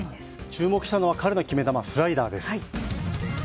注目したのは、彼の決め球スライダーです。